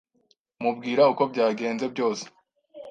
mubwira uko byagenze byose